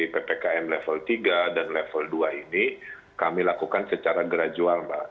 ppkm level tiga dan level dua ini kami lakukan secara gradual mbak